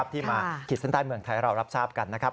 ที่มาขีดเส้นใต้เมืองไทยให้เรารับทราบกันนะครับ